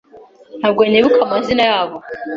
Ntabwo nibuka amazina yabo.